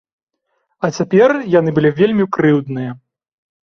А цяпер яны былі вельмі крыўдныя.